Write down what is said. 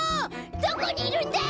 どこにいるんだ！？